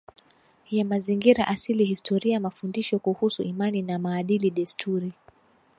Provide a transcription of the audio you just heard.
ya mazingira asili historia mafundisho kuhusu imani na maadili desturi